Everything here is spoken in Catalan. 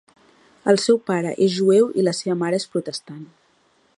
El seu pare és jueu i la seva mare és protestant.